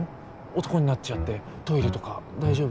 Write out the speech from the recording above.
男になっちゃってトイレとか大丈夫？